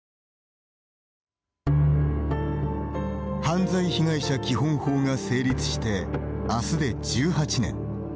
犯罪被害者基本法が成立してあすで１８年。